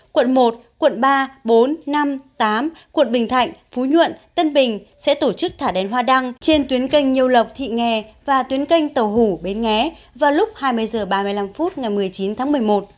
quận một quận ba bốn năm tám quận bình thạnh phú nhuận tân bình sẽ tổ chức thả đèn hoa đăng trên tuyến kênh nhiêu lộc thị nghè và tuyến canh tàu hủ bến nghé vào lúc hai mươi h ba mươi năm phút ngày một mươi chín tháng một mươi một